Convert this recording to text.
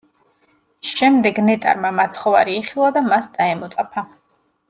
შემდეგ ნეტარმა მაცხოვარი იხილა და მას დაემოწაფა.